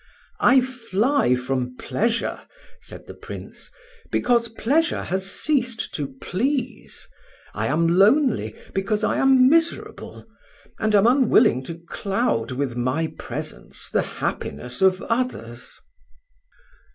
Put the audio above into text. "I fly from pleasure," said the Prince, "because pleasure has ceased to please: I am lonely because I am miserable, and am unwilling to cloud with my presence the happiness of others."